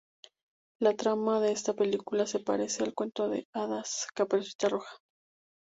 La trama de esta película se parece al cuento de hadas "Caperucita Roja".